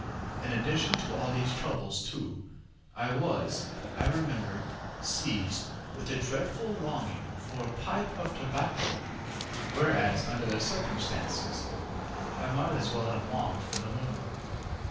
In addition to all these troubles, too, I was, I remember, seized with a dreadful longing for a pipe of tobacco, whereas, under the circumstances, I might as well have longed for the moon.